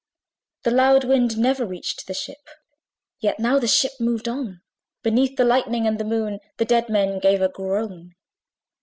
The loud wind never reached the ship, Yet now the ship moved on! Beneath the lightning and the Moon The dead men gave a groan.